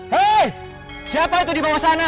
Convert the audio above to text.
hei siapa itu di bawah sana